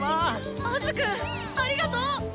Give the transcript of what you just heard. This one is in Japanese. アズくんありがとう！